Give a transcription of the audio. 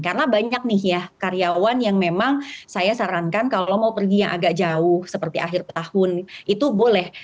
karena banyak nih ya karyawan yang memang saya sarankan kalau mau pergi yang agak jauh seperti akhir tahun itu boleh